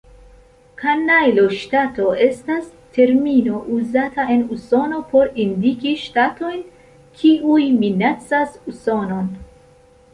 Kanajlo-ŝtato estas termino uzata en Usono por indiki ŝtatojn, kiuj minacas Usonon.